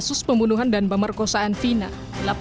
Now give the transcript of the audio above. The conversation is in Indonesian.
kasus pembunuhan dan pemerkosaan vina